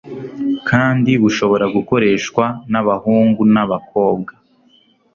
kandi bushobora gukoreshwa n'abahungu n' abakobwa